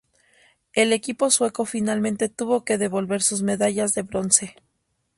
El equipo sueco finalmente tuvo que devolver sus medallas de bronce.